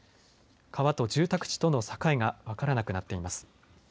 川と住宅地との境が分からなくなっています。